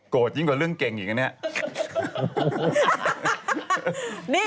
โกรธจริงกว่าเรื่องเกงอย่างนี้